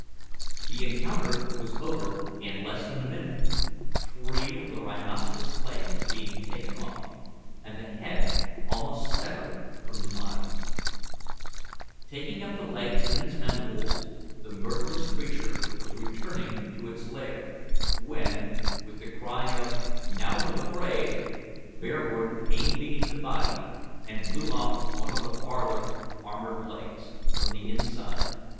The encounter was over in less than a minute, three of the rhinoceros's legs being taken off, and the head almost severed from the body. Taking up the legs in its mandibles, the murderous creature was returning to its lair, when, with the cry of "Now for the fray!" Bearwarden aimed beneath the body and blew off one of the farther armoured legs, from the inside.